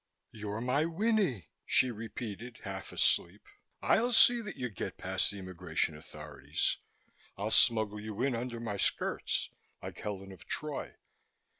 "You're my Winnie," she repeated half asleep. "I'll see that you get past the immigration authorities. I'll smuggle you in under my skirts, like Helen of Troy.